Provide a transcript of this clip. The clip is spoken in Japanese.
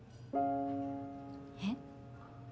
えっ？